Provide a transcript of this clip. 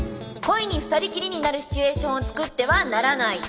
故意に２人きりになるシチュエーションを作ってはならない。